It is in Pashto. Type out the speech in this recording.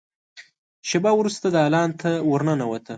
شېبه وروسته دالان ته ور ننوته.